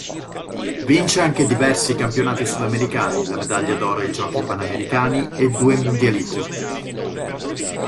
Vince anche diversi campionati sudamericani, la medaglia d'oro ai Giochi Panamericani e due Mundialito.